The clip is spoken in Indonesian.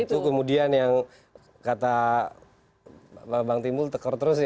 itu kemudian yang kata bang timbul tekor terus ya